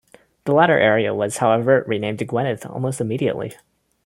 The latter area was, however, renamed Gwynedd almost immediately.